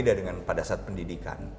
beda dengan pada saat pendidikan